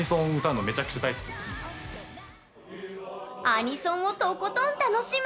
アニソンをとことん楽しむ！